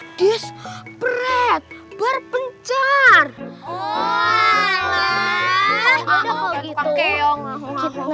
eeeeh kayaknya pada udah bisa bahasa inggris apa ya